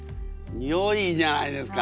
よいじゃないですか。